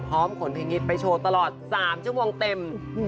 ขนเพลงฮิตไปโชว์ตลอด๓ชั่วโมงเต็ม